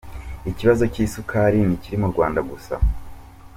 Ikibazo cy’isukari ntikiri mu Rwanda gusa.